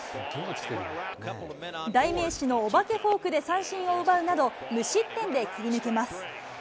代名詞のおばけフォークで三振を奪うなど、無失点で切り抜けます。